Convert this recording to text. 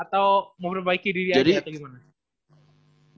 atau mau perbaiki diri aja atau gimana